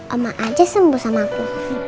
oma aja sembuh sama aku